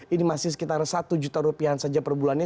ini masih sekitar satu juta rupiah saja per bulannya